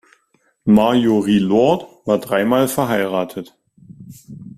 Marjorie Lord war dreimal verheiratet.